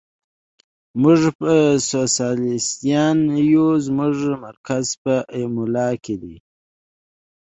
موږ سوسیالیستان یو، زموږ مرکز په ایمولا کې دی.